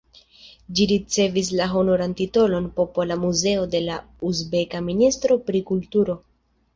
Ĝi ricevis la honoran titolon "popola muzeo" de la uzbeka ministro pri kulturo.